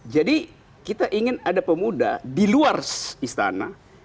jadi kita ingin ada pemuda di luar istana